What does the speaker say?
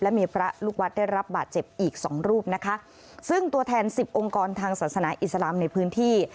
และมีพระลูกวัดได้รับบาดเจ็บอีกสองรูปนะคะซึ่งตัวแทนสิบองค์กรทางศาสนาอิสลามในพื้นที่